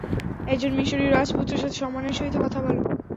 একজন মিশরীয় রাজপুত্রের সাথে সম্মানের সহিত কথা বলো।